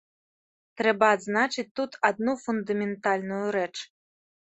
Трэба адзначыць тут адну фундаментальную рэч.